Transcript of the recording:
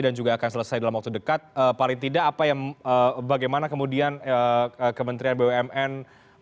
dan juga akan selesai dalam waktu dekat paling tidak bagaimana kemudian kementerian bumn